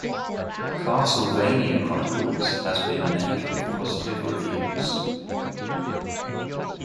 "Castlevania Chronicles" has been met with positive reviews.